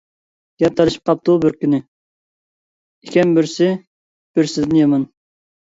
گەپ تالىشىپ قاپتۇ بىر كۈنى، ئىكەن بىرسى بىرسىدىن يامان!